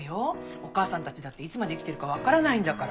お母さんたちだっていつまで生きてるか分からないんだから。